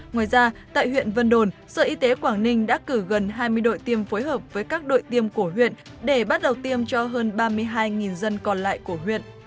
ngoài ra tại huyện vân đồn sở y tế quảng ninh đã cử gần hai mươi đội tiêm phối hợp với các đội tiêm của huyện để bắt đầu tiêm cho hơn ba mươi hai dân còn lại của huyện